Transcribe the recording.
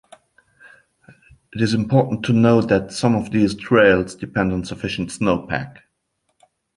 It is important to note that some of these trails depend on sufficient snowpack.